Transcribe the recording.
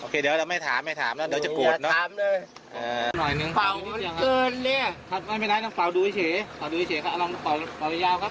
เขาถึงใส่ไหนครับ